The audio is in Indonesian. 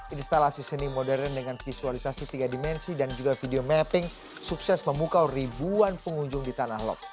instalasi seni modern dengan visualisasi tiga dimensi dan juga video mapping sukses memukau ribuan pengunjung di tanah lot